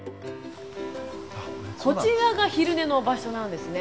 こちらが昼寝の場所なんですね。